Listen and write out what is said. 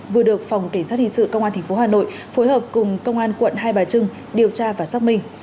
vừa được phòng cảnh sát hình sự công an tp hà nội phối hợp cùng công an quận hai bà trưng điều tra và xác minh